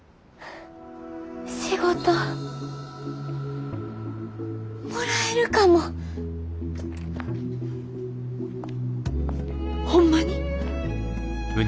仕事もらえるかも。ホンマに？